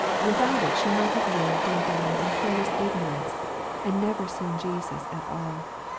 Without it she might have lived and died in careless ignorance, and never seen Jesus at all.